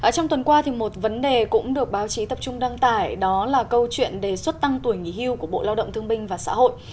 trong tuần qua một vấn đề cũng được báo chí tập trung đăng tải đó là câu chuyện đề xuất tăng tuổi nghỉ hưu của bộ lao động thương binh và xã hội